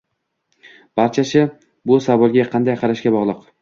Barchasi bu savolga qanday qarashga bog'liq.